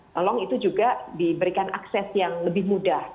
tolong itu juga diberikan akses yang lebih mudah